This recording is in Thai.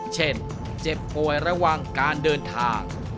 เจ็บป่วยระหว่างการเดินทาง